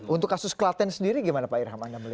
untuk kasus klaten sendiri gimana pak irham